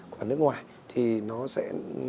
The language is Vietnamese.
của nước ngoài thì nó sẽ